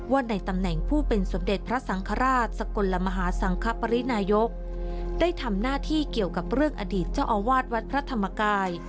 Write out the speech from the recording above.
ในตำแหน่งผู้เป็นสมเด็จพระสังฆราชสกลมหาสังคปรินายกได้ทำหน้าที่เกี่ยวกับเรื่องอดีตเจ้าอาวาสวัดพระธรรมกาย